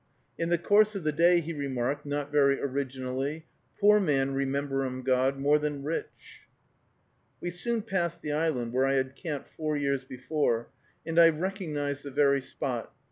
In the course of the day, he remarked, not very originally, "Poor man rememberum God more than rich." We soon passed the island where I had camped four years before, and I recognized the very spot.